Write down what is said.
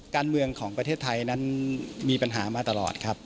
การเมืองของประเทศไทยนั้นมีปัญหามาตลอดครับ